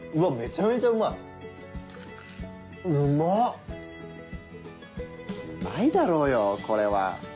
うまいだろうよこれは。